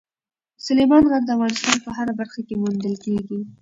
سلیمان غر د افغانستان په هره برخه کې موندل کېږي.